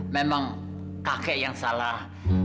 memang kakak yang salah